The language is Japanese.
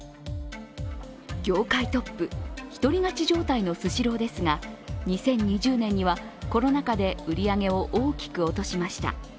業界トップ、一人勝ち状態のスシローですが、２０２０年にはコロナ禍で売り上げを大きく落としました。